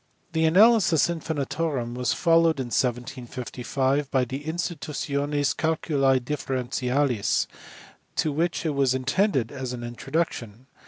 The Analysis Infinitorum was followed in 1755 by the Institution Calculi Differentialis to which it was intended as an introduction.